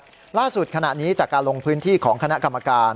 ล่าสุดขณะนี้จากการลงพื้นที่ของคณะกรรมการ